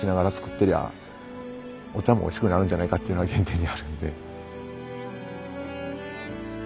てりゃお茶もおいしくなるんじゃないかっていうのが原点にあるんで。